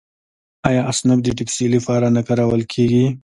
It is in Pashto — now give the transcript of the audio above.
آیا اسنپ د ټکسي لپاره نه کارول کیږي؟